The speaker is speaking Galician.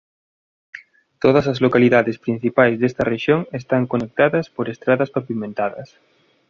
Todas as localidades principais desta rexión están conectadas por estradas pavimentadas.